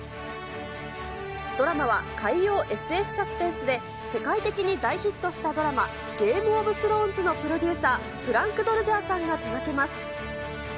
ドラマは海洋ＳＦサスペンスで、世界的に大ヒットしたドラマ、ゲーム・オブ・スローンズのプロデューサー、フランク・ドルジャーさんが手がけます。